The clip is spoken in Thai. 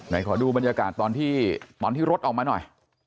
ไหนขอดูบรรยากาศตอนที่รถออกมาหน่อย